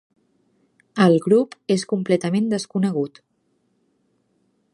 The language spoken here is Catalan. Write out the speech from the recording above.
El grup és completament desconegut.